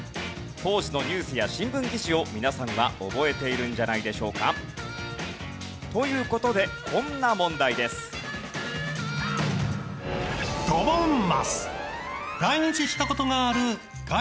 当時のニュースや新聞記事を皆さんは覚えているんじゃないでしょうか？という事でこんな問題です。を選べ。